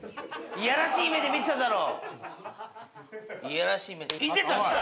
いやらしい目で見てたんだよ。